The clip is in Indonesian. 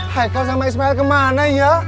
haikal sama ismail kemana ya